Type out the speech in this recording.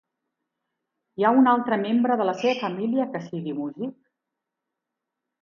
Hi ha un altre membre de la seva família que sigui músic?